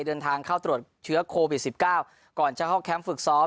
เดินทางเข้าตรวจเชื้อโควิด๑๙ก่อนจะเข้าแคมป์ฝึกซ้อม